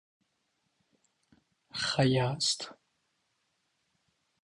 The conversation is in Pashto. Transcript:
ښه یاست؟